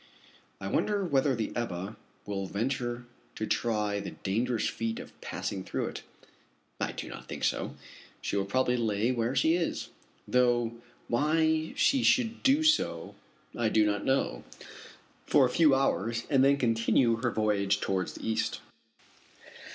I wonder whether the Ebba will venture to try the dangerous feat of passing through it. I do not think so. She will probably lay where she is though why she should do so I do not know for a few hours, and then continue her voyage towards the east.